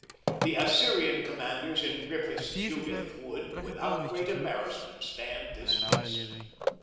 The Assyrian commanders in Griffith's Judith would, without great embarrassment, stand this test.